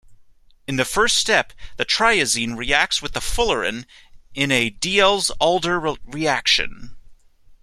In the first step the triazine reacts with the fullerene in a Diels-Alder reaction.